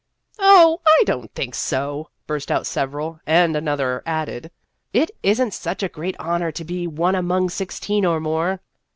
" Oh, I don't think so !" burst out sev eral ; and another added, " It is n't such a great honor to be one among sixteen or more."